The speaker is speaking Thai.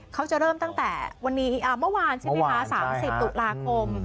เขาจะเริ่มตั้งแต่เมื่อวาน๓๐ตุลาคม